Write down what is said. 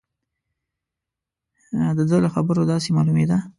د ده له خبرو داسې معلومېده.